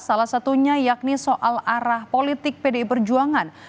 salah satunya yakni soal arah politik pdi perjuangan